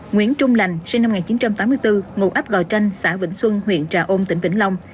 nguyễn trung lành sinh năm một nghìn chín trăm tám mươi bốn ngụ ấp gò tranh xã vĩnh xuân huyện trà ôn tỉnh vĩnh long